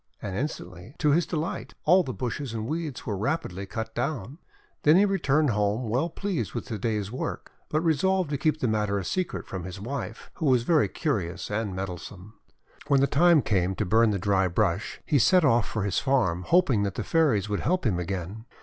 And instantly, to his delight, all the bushes and weeds were rapidly cut down. Then he returned home well pleased with the day's work, but re solved to keep the matter a secret from his wife, who was very curious and meddlesome. MYBROW AND THE FAIRIES 343 When the time came to burn the dry brush, he set off for his farm, hoping that the Fairies would help him again.